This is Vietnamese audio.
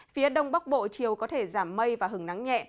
phía đông bắc bộ chiều có thể giảm mây và hứng nắng nhẹ